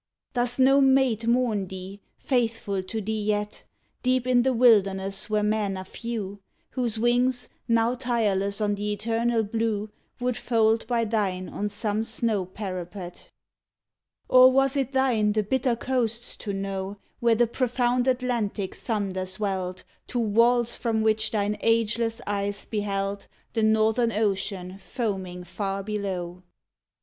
Does no mate mourn thee, faithful to thee yet, Deep in the wilderness where men are few, Whose wings, now tireless on the eternal blue, Would fold by thine on some snow parapet? 42 THE CAGED EAGLE Or was it thine the bitter coasts to know, Where the profound Atlantic thunders welled To walls from which thine ageless eyes beheld The northern ocean foaming far below?